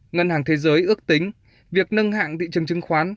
ngân hàng thế giới ước tính việc nâng hạng thị trường chứng khoán